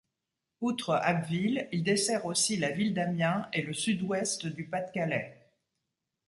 Outre Abbeville, il dessert aussi la ville d'Amiens et le Sud-Ouest du Pas-de-Calais.